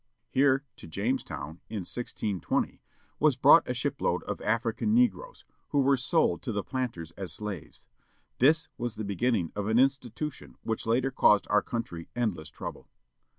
Here, to Jamestown, in 1620, was brought a shipload of African negroes, who were sold to the planters as slaves. This was the beginning of an institution which later caused our country endless trouble.